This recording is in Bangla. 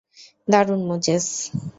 দারুণ, মোজেস।